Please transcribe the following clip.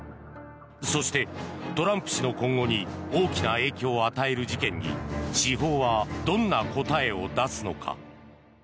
そして、トランプ氏の今後に大きな影響を与える事件に司法はどんな答えを出すのか。